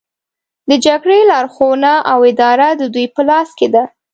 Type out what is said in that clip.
د جګړې لارښوونه او اداره د دوی په لاس کې ده